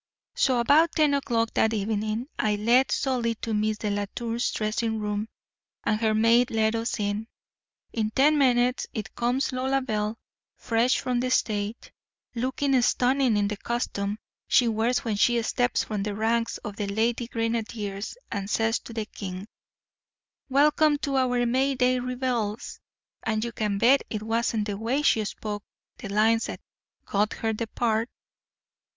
"So about ten o'clock that evening I led Solly to Miss Delatour's dressing room, and her maid let us in. In ten minutes in comes Lolabelle, fresh from the stage, looking stunning in the costume she wears when she steps from the ranks of the lady grenadiers and says to the king, 'Welcome to our May day revels.' And you can bet it wasn't the way she spoke the lines that got her the part.